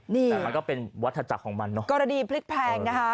แต่มันก็เป็นวัฒจักรของมันเนอะกรณีพลิกแพงนะคะ